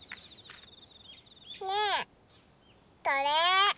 ねえこれ。